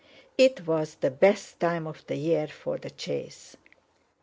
It was the best time of the year for the chase.